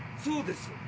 そうです。